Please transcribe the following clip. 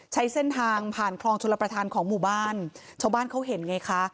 ใช้เส้นทางผ่านคลองชลประธานของหมู่บ้านชาวบ้านเขาเห็นไงคะ